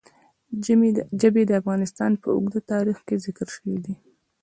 ژبې د افغانستان په اوږده تاریخ کې ذکر شوی دی.